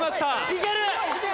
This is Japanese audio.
いける！